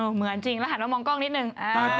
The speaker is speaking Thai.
เหมือนจริงแล้วหันมามองกล้องนิดนึง